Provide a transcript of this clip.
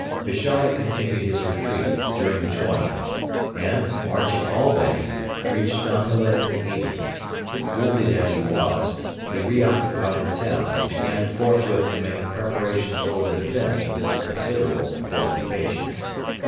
Bishara continued his retreat during the 20th, and, marching all day, reached Dongola in the evening. Wounded as he was, he re occupied the town and began forthwith to make preparations for the defence of its considerable fortifications.